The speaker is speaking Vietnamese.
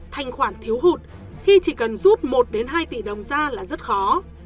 thành khoản thiếu hụt khi chỉ cần giúp một hai tỷ đồng ra là rất khó